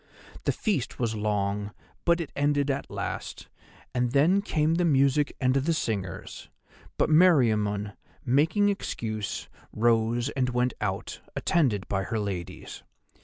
"The feast was long, but it ended at last, and then came the music and the singers, but Meriamun, making excuse, rose and went out, attended by her ladies.